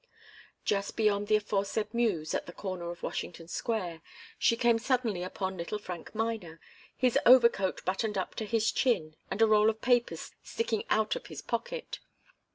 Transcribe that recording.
Just beyond the aforesaid Mews, at the corner of Washington Square, she came suddenly upon little Frank Miner, his overcoat buttoned up to his chin and a roll of papers sticking out of his pocket.